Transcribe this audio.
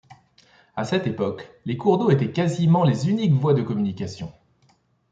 À cette époque, les cours d'eau étaient quasiment les uniques voies de communication.